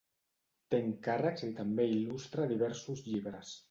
Té encàrrecs i també il·lustra diversos llibres.